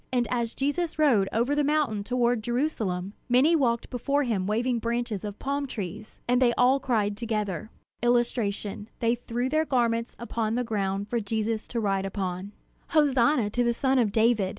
And as Jesus rode over the mountain toward Jerusalem, many walked before him waving branches of palm trees. And they all cried together: [Illustration: They threw their garments upon the ground for Jesus to ride upon] "Hosanna to the son of David!